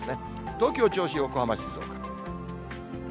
東京、銚子、横浜、静岡。